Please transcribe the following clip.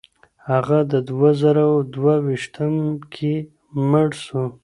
هغه د دوه زره دوه ویشتم کي مړ سو.